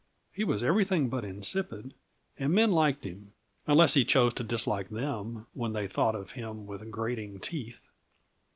He was everything but insipid, and men liked him unless he chose to dislike them, when they thought of him with grating teeth.